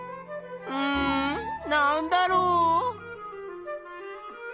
うんなんだろう？